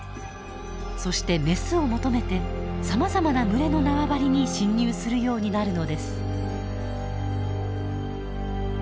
そしてメスを求めてさまざまな群れの縄張りに侵入するようになるのです。